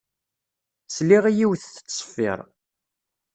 Sliɣ i yiwet tettṣeffiṛ.